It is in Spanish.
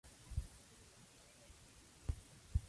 Los resultados se muestran a continuación.